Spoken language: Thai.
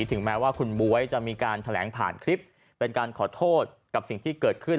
ถึงแม้ว่าคุณบ๊วยจะมีการแถลงผ่านคลิปเป็นการขอโทษกับสิ่งที่เกิดขึ้น